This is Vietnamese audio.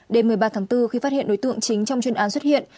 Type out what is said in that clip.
đêm một mươi ba tháng bốn khi phát hiện đối tượng chính trong chuyên án xuất hiện